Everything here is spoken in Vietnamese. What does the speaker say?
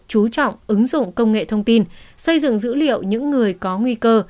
chú trọng ứng dụng công nghệ thông tin xây dựng dữ liệu những người có nguy cơ